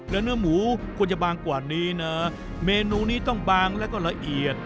แล้วเนื้อหมูควรจะบางกว่านี้นะเมนูนี้ต้องบางแล้วก็ละเอียด